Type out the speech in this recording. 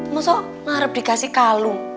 masa ngarep dikasih kalung